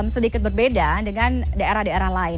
sedikit berbeda dengan daerah daerah lain